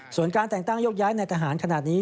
ส่วนการแต่งตั้งยกย้ายในทหารขนาดนี้